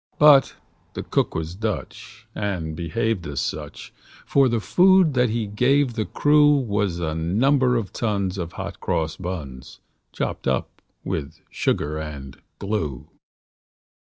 But the cook was Dutch, and behaved as such; For the food that he gave the crew Was a number of tons of hot cross buns, Chopped up with sugar and glue.